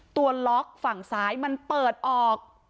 ตัวล็อกฝั่งซ้ายมันเปิดออก